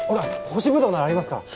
干しブドウならありますから。